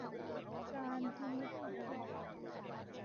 การพินิจพิเคราะห์